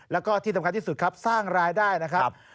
แล้วก็ที่สำคัญที่สุดครับสร้างรายได้นะครับ